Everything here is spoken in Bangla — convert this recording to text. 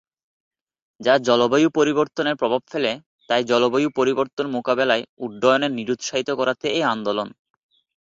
যা জলবায়ু পরিবর্তনের প্রভাব ফেলে তাই জলবায়ু পরিবর্তন মোকাবেলায় উড্ডয়নে নিরুৎসাহিত করাতে এ আন্দোলন।